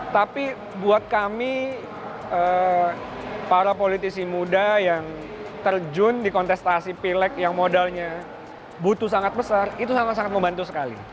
tapi buat kami para politisi muda yang terjun di kontestasi pilek yang modalnya butuh sangat besar itu sangat sangat membantu sekali